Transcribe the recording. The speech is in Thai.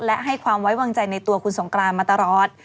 และให้ความไว้วางใจในตัวคุณสงกรานมาตลอด